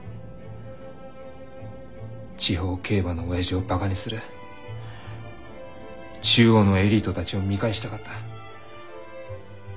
地方競馬の親父をバカにする中央のエリートたちを見返したかった。